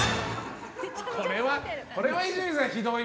これは伊集院さん、ひどい。